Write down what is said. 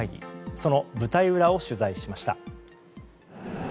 その舞台裏を取材しました。